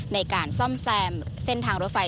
ในการซ่อมแซมเส้นทางรถไฟ